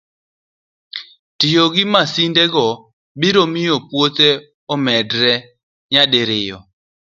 Tiyo gi masindego biro miyo puothe omedre nyadiriyo